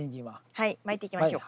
はいまいていきましょう。